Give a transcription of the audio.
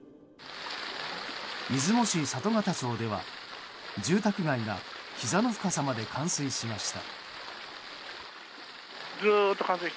出雲市里方町では住宅街がひざの深さまで冠水しました。